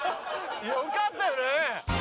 よかったね。